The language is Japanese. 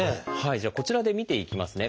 じゃあこちらで見ていきますね。